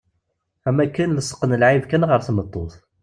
Am wakken lesqen lɛib kan ɣer tmeṭṭut.